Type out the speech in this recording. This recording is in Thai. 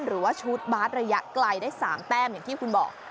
หรือว่าชุดบาสระยะไกลได้๓แต้มอย่างที่คุณบอก